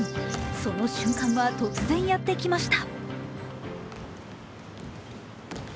その瞬間は突然やってきました。